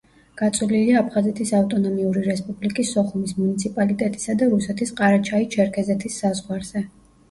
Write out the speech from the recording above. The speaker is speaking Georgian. გაწოლილია აფხაზეთის ავტონომიური რესპუბლიკის სოხუმის მუნიციპალიტეტისა და რუსეთის ყარაჩაი-ჩერქეზეთის საზღვარზე.